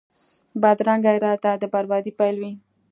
بدرنګه اراده د بربادۍ پیل وي